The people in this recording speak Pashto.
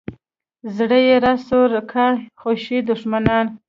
زړه یې راسو کا خوشي دښمنان.